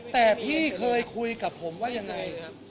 แต่พี่เคยคุยกับผมว่ายังไงครับ